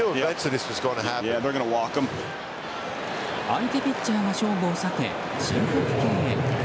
相手ピッチャーが勝負を避け申告敬遠。